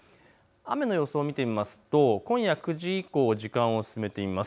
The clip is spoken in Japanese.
雨の様子を見てみますと今夜９時以降時間を進めてみます。